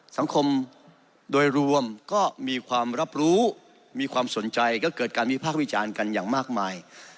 สังคมโดยรวมก็มีความรับรู้มีความสนใจก็เกิดการวิพากษ์วิจารณ์กันอย่างมากมาย